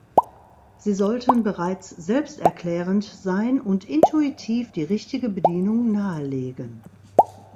Sie sollten bereits selbsterklärend sein und intuitiv die richtige Bedienung nahelegen.